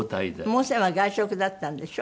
もうせんは外食だったんでしょ？